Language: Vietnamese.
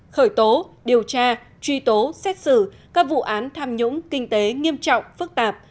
khởi tố điều tra truy tố xét xử các vụ án tham nhũng kinh tế nghiêm trọng phức tạp